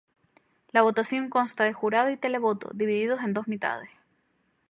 La votación consta de jurado y televoto, divididos en dos mitades.